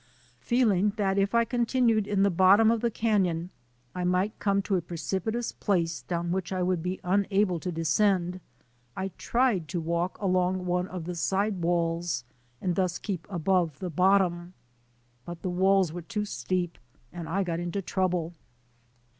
Feeling that if I continued in the bottom of the canon I might come to a precipi tous place down which I would be unable to de scend, I tried to walk along one of the side walls, and thus keep above the bottom. But the walls were too steep and I got into trouble.